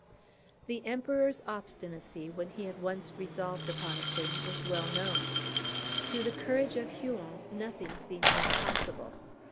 The Emperor's obstinacy when he had once resolved upon a thing is well known. To the courage of Huon nothing seemed impossible.